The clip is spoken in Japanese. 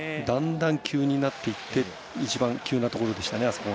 だんだん急になって一番急なところでした。